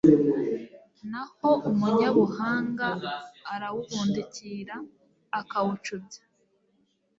naho umunyabuhanga arawubundikira, akawucubya